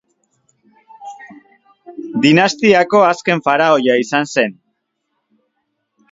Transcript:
Dinastiako azken faraoia izan zen.